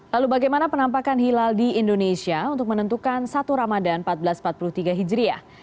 lalu bagaimana penampakan hilal di indonesia untuk menentukan satu ramadhan seribu empat ratus empat puluh tiga hijriah